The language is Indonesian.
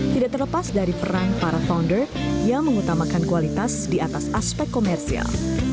tidak terlepas dari peran para founder yang mengutamakan kualitas di atas aspek komersial